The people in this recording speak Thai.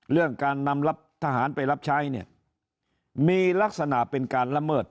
เรื่องการนำรับทหารไปรับใช้เนี่ยมีลักษณะเป็นการละเมิด